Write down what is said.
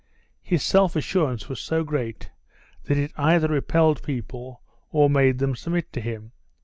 His self assurance was so great that it either repelled people or made them submit to him.